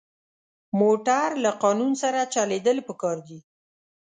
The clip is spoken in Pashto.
موټر له قانون سره چلېدل پکار دي.